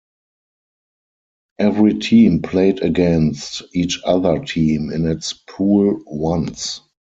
Every team played against each other team in its pool once.